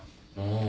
ああ。